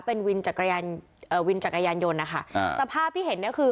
เป็นวินจักรยานยนต์นะคะสภาพที่เห็นคือ